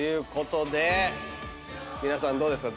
皆さんどうですか？